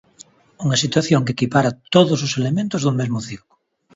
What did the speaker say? Unha situación que equipara todos os elementos do mesmo circo.